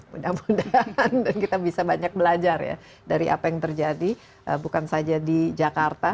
mudah mudahan kita bisa banyak belajar ya dari apa yang terjadi bukan saja di jakarta